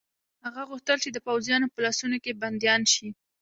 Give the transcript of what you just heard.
هغه غوښتل چې د پوځیانو په لاسونو کې بندیان شي.